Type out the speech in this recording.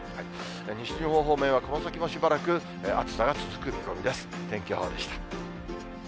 西日本方面はこの先もしばらく暑さが続く見込みです。